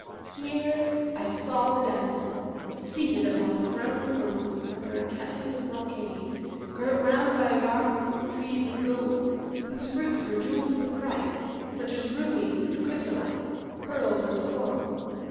Here I saw the damsel seated upon a throne of gold, under a canopy of brocade, girt round by a garden full of trees of gold, whose fruits were jewels of price, such as rubies and chrysolites, pearls and coral.